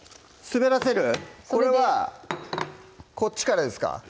滑らせるこれはこっちからですか？